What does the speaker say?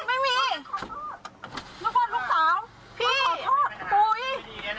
ไม่มี